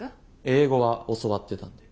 英語は教わってたんで。